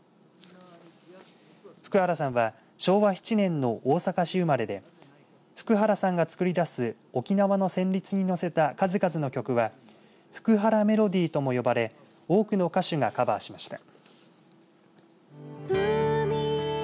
普久原さんは、昭和７年の大阪市生まれで普久原さんが作り出す沖縄の旋律に乗せた数々の曲は普久原メロディーとも呼ばれ多くの歌手がカバーしました。